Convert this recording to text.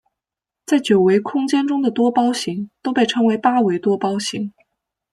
在九维空间中的多胞形都被称为八维多胞形。